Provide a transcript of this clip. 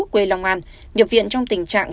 quê long an nhập viện trong tình trạng